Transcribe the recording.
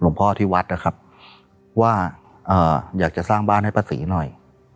พ่อที่วัดนะครับว่าอยากจะสร้างบ้านให้ป้าศรีหน่อย